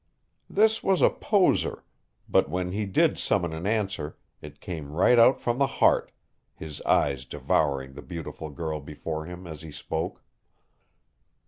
This was a poser, but when he did summon an answer it came right out from the heart, his eyes devouring the beautiful girl before him as he spoke.